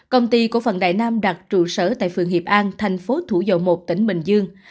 công ty cổ phần đại nam đặt trụ sở tại phường hiệp an thành phố thủ dầu một tỉnh bình dương